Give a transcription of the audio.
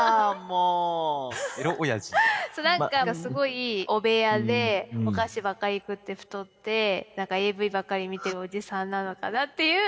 何かすごい汚部屋でお菓子ばっかり食って太って何かＡＶばっかり見てるおじさんなのかなっていう。